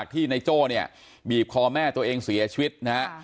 ที่นายโจ้เนี่ยบีบคอแม่ตัวเองเสียชีวิตนะฮะ